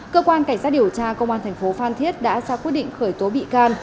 cơ quan cảnh sát điều tra công an thành phố phan thiết đã ra quyết định khởi tố bị can